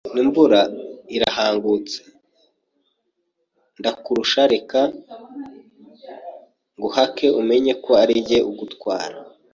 imvura irahangutse ndakurusha reka nguhake umenye ko ari jye ugutwara